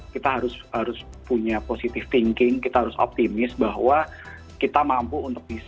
kita harus punya positive thinking kita harus optimis bahwa kita mampu untuk bisa